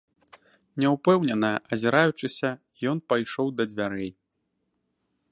Няўпэўнена азіраючыся, ён пайшоў да дзвярэй.